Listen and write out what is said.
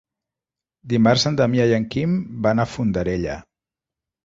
Dimarts en Damià i en Quim van a Fondarella.